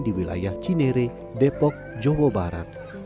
di wilayah cinere depok jawa barat